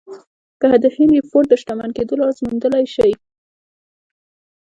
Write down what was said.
که د هنري فورډ د شتمن کېدو راز موندلای شئ.